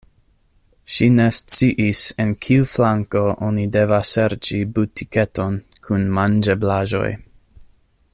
Ŝi ne sciis, en kiu flanko oni devas serĉi butiketon kun manĝeblaĵoj.